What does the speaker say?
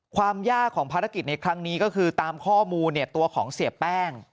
ความยากของภารกิจในครั้งนี้ก็คือตามข้อมูลตัวของเสียแป้ง